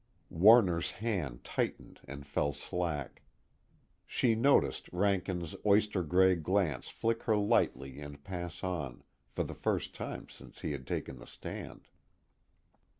Warner's hand tightened and fell slack. She noticed Rankin's oyster gray glance flick her lightly and pass on, for the first time since he had taken the stand.